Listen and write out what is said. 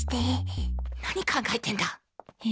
何考えてんだ！